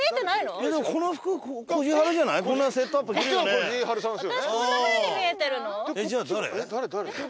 私こんなふうに見えてるの？